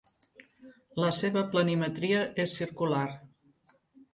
La seva planimetria és circular.